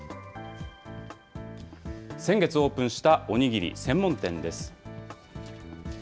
先月オープンしたお握り専門店です。